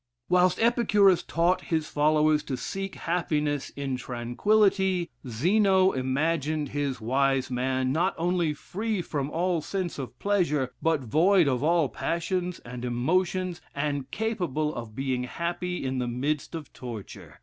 Whilst Epicurus taught his followers to seek happiness in tranquillity, Zeno imagined his wise man, not only free from all sense of pleasure, but void of all passions and emotions, and capable of being happy in the midst of torture.